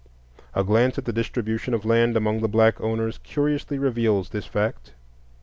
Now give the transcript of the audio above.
A glance at the distribution of land among the black owners curiously reveals this fact.